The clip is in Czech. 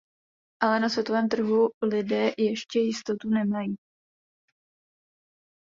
Ale na světovém trhu lidé ještě jistotu nemají.